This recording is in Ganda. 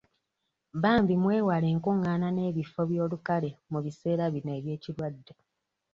Bambi mwewale enkungaana n'ebifo by'olukale mu biseera bino eby'ekirwadde.